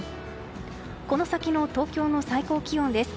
この先の東京の最高気温です。